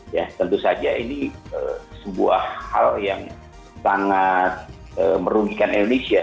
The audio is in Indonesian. ya tentu saja ini sebuah hal yang sangat merugikan indonesia